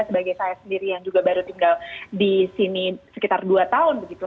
sebagai saya sendiri yang juga baru tinggal di sini sekitar dua tahun begitu